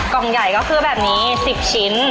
กล่องใหญ่ก็คือแบบนี้๑๐ชิ้น